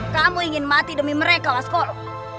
kamu ingin mati demi mereka waskolo